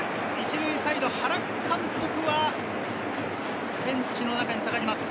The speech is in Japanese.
１塁サイド、原監督はベンチの中に下がります。